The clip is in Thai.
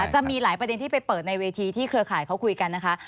จะมีหลายประเด็นที่ไปเปิดในเวทีที่เครือข่ายเขาคุยกันนะคะ